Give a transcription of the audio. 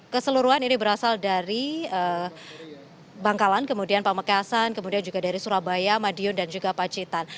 keseluruhan ini berasal dari bangkalan kemudian pamekasan kemudian juga dari surabaya madiun dan juga pacitan